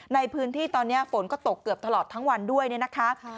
ในพื้นที่ตอนนี้ฝนก็ตกเกือบทั้งวันด้วยนะครับ